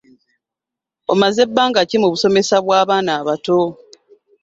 Omaze bbanga ki mu busomesa bw’abaana abato?